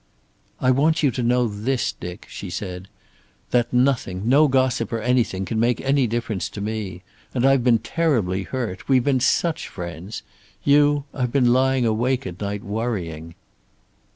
"I want you to know this, Dick," she said. "That nothing, no gossip or anything, can make any difference to me. And I've been terribly hurt. We've been such friends. You I've been lying awake at night, worrying."